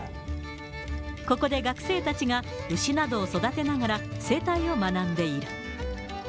ここで学生たちが牛などを育てながら、生態を学んでいる。